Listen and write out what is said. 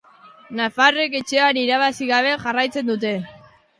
Nafarrek etxean irabazi gabe jarraitzen dute.